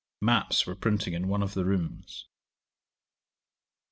Maps were printing in one of the rooms.